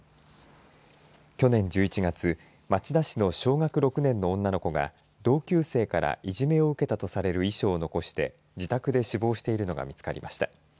去年１１月町田市の小学６年の女の子が同級生からいじめを受けたとされる遺書を残して自宅で死亡しているのが見つかりました。